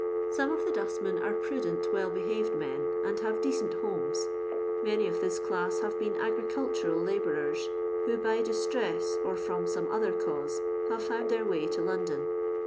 Some of the dustmen are prudent well behaved men and have decent homes ; many of this class have been agricultural labourers, who by distress, or from some other cause, have found their way to London.